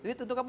duit untuk apa